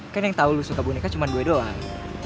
kan yang tau lo suka boneka cuma gue doang